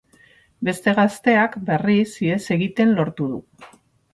Beste gazteak, berriz, ihes egiten lortu du.